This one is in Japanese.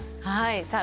さあ